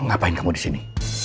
ngapain kamu disini